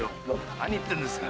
何言ってんですか